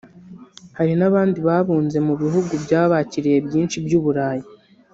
Hari n’abandi babunze mu bihugu byabakiriye ibyinshi by’uburayi